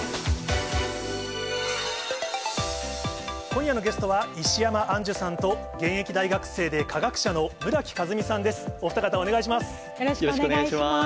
今夜のゲストは、石山アンジュさんと、現役大学生で化学者の村木風海さんです。よろしくお願いします。